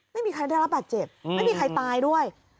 ไม่มีใครได้รับบาดเจ็บไม่มีใครตายด้วย